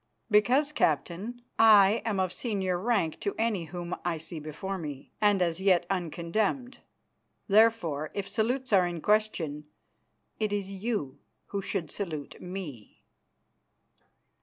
"Because, Captain, I am of senior rank to any whom I see before me, and as yet uncondemned. Therefore, if salutes are in the question, it is you who should salute me."